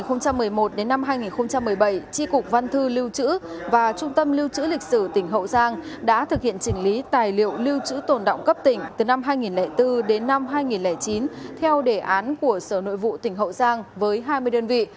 từ năm một mươi một đến năm hai nghìn một mươi bảy tri cục văn thư lưu trữ và trung tâm lưu trữ lịch sử tỉnh hậu giang đã thực hiện chỉnh lý tài liệu lưu trữ tổn động cấp tỉnh từ năm hai nghìn bốn đến năm hai nghìn chín theo đề án của sở nội vụ tỉnh hậu giang với hai mươi đơn vị